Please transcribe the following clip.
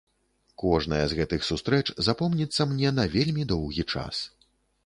Кожная з гэтых сустрэч запомніцца мне на вельмі доўгі час.